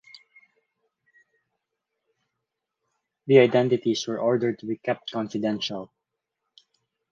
The identities were ordered to be kept confidential.